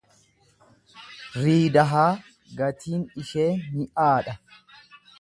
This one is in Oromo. Riidahaa gatiin ishee mi'aadha.